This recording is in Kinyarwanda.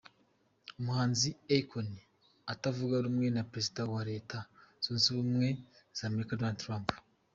Umuhanzi Akoni utavuga rumwe na Perezida wa Leta Zunze Ubumwe z’Amerika Donald Trump